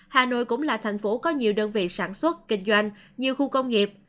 hà nội cũng là thành phố có nhiều đơn vị sản xuất kinh doanh nhiều khu công nghiệp